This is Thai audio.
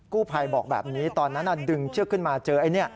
กู้ภัยบอกแบบนี้ตอนนั้นดึงเชือกขึ้นมาเจอไอ้นี่